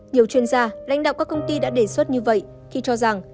nhiều chuyên gia lãnh đạo các công ty đã đề xuất như vậy khi cho rằng